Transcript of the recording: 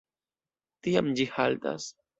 Tiam ĝi haltas.